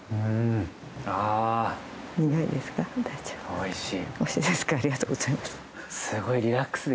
おいしい。